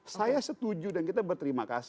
saya setuju dan kita berterima kasih